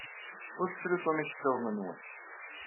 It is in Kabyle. Ur tettlusum iceḍḍiḍen-nwen.